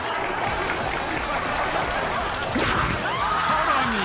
［さらに］